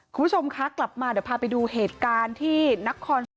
คุณผู้ชมคะกลับมาเดี๋ยวพาไปดูเหตุการณ์ที่นครสวรรค์